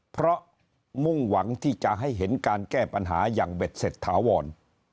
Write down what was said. เพราะมุ่งหวังที่จะให้เห็นการแก้ปัญหาอย่างเบ็ดเสร็จถาวร